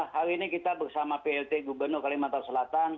hari ini kita bersama plt gubernur kalimantan selatan